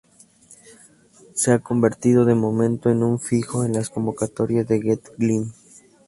Se ha convertido, de momento, en un fijo en las convocatorias de Ged Glynn.